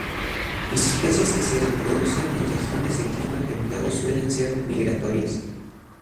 Las especies que se reproducen en regiones de clima templado suelen ser migratorias.